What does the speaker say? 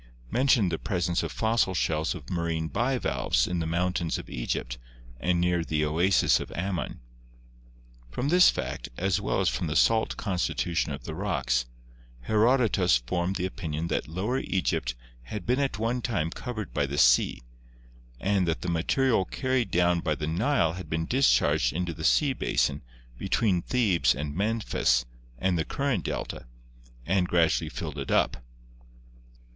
mentioned the presence of fossil shells of marine bivalves in the mountains of Egypt and. near the oasis of Ammon. From this fact, as well as from the salt constitution of the rocks, Herodotus formed the opinion that Lower Egypt had been at one time covered by the sea, and that the material carried down by the Nile had been discharged into the sea basin between Thebes and Memphis and the present delta, and gradually filled it up.